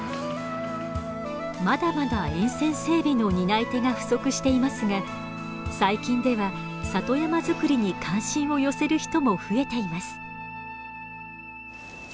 まだまだ沿線整備の担い手が不足していますが最近では里山づくりに関心を寄せる人も増えています。